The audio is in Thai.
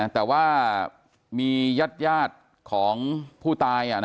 แต่ว่ามีญาติของผู้ตาย